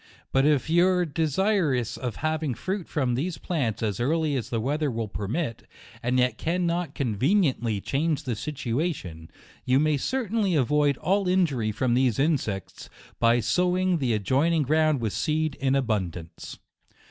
But if you are desirous of having fruit from these plants as early as the weather will per mit, and yet cannot conveniently change the situation, you may certainly avoid all injury from these insects, by sowing the adjoining ground with seed in abundance.